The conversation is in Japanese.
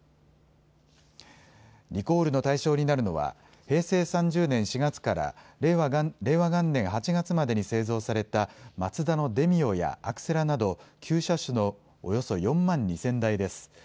リコールの対象になるのは平成３０年４月から令和元年８月までに製造されたマツダのデミオやアクセラなど９車種のおよそ４万２０００台です。